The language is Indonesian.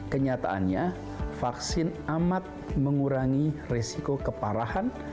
kenyataannya vaksin amat mengurangi resiko keparahan